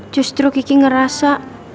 justru kiki ngerasa